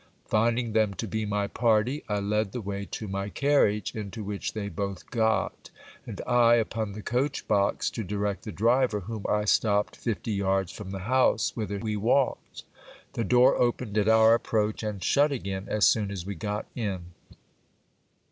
Finding them to be my party, I led the way to my carriage, into which they both got, and I upon the coach box to direct the driver, whom I stopped fifty yards from the house, whither we walked. The door opened at our approach, and shut again as soon as we got in.